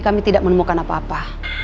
kami tidak menemukan apa apa